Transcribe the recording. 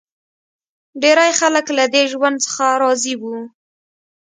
ډېری خلک له دې ژوند څخه راضي و.